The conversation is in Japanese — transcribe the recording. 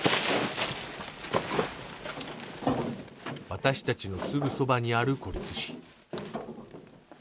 私たちのすぐそばにある孤独死。